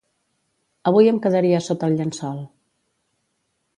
Avui em quedaria a sota el llençol